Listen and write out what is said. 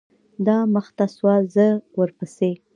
دا مخته سوه زه ورپسې.